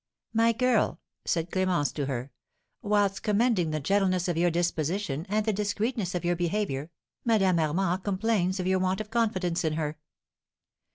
"My girl," said Clémence to her, "whilst commending the gentleness of your disposition and the discreetness of your behaviour, Madame Armand complains of your want of confidence in her."